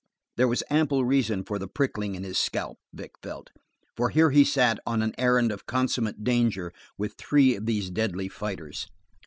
There was ample reason for the prickling in his scalp, Vic felt, for here he sat on an errand of consummate danger with three of these deadly fighters.